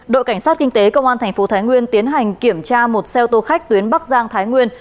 đội cảnh sát kinh tế công an thành phố thái nguyên tiến hành kiểm tra một xe ô tô khách tuyến bắc giang thái nguyên